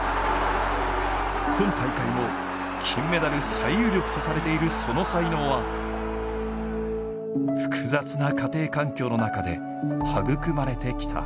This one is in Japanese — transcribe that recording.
今大会も金メダル最有力とされているその才能は複雑な家庭環境の中で育まれてきた。